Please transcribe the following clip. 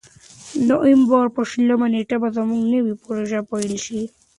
د نوامبر په شلمه نېټه به زموږ نوې پروژې پیل شي.